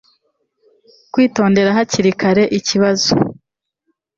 Kwitondera hakiri kare iki kibazo